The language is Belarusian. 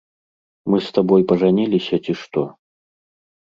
Мы з табой пажаніліся, ці што?